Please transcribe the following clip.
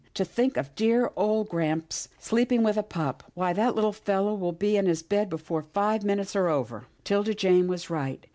To think of dear old grampa sleep ing with a pup — why, that little fellow will be in his bed before five minutes are over." 'Tilda Jane was right.